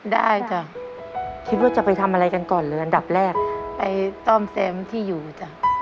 จ้ะคิดว่าจะไปทำอะไรกันก่อนเลยอันดับแรกไปซ่อมแซมที่อยู่จ้ะ